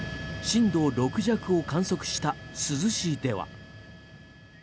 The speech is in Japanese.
震度６弱を観測した珠洲市では。